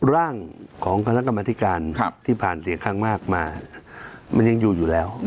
ร่างของคณะกรรมธิการที่ผ่านเสียงข้างมากมามันยังอยู่อยู่แล้ว